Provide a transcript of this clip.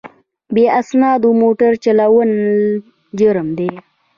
بې اسنادو موټر چلول جرم دی.